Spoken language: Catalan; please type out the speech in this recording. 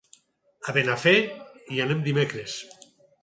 A Benafer hi anem dimecres.